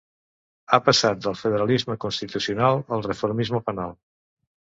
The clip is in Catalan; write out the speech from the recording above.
Ha passat del federalisme constitucional al reformisme penal.